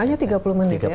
hanya tiga puluh menit ya